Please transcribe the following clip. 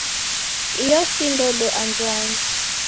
Iyo si ndodo anduangi.